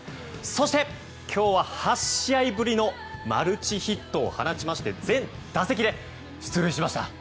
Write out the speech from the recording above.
そして、今日は８試合ぶりのマルチヒットを放ちまして全打席で出塁しました。